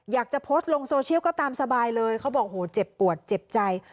อยากจะโพสต์ลงโซเชียลก็ตามสบายเลยเขาบอกโหเจ็บปวดเจ็บใจ